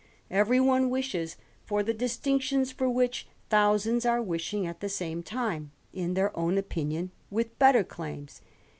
Every one wishes for the distinctions for which thousands are wishing at the same time, in their own opinion, with better claims.